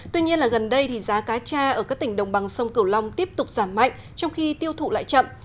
tuy nhiên gần đây thì giá cá cha ở các tỉnh đồng bằng sông cửu long tiếp tục giảm mạnh trong khi tiêu thụ lại chậm